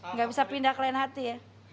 nggak bisa pindah ke lain hati ya